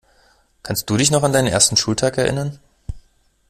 Kannst du dich noch an deinen ersten Schultag erinnern?